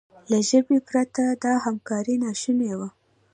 له ژبې پرته دا همکاري ناشونې وه.